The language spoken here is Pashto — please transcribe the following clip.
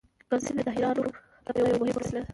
پنسل د طراحانو لپاره یو مهم وسیله ده.